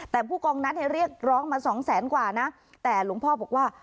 แต่ผู้กองนั้นเรียกร้องมาสองแสนกว่านะแต่หลวงพ่อบอกว่า